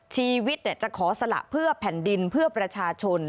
ชีวิตจะขอสละเพื่อแผ่นดินเพื่อประชาชน